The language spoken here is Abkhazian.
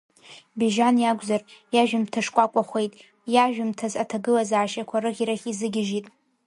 Бежьан иакәзар, иажәымҭа шкәакәахеит, иажәымҭаз аҭагылазаашьақәа арыӷьарахь изыгьежьит.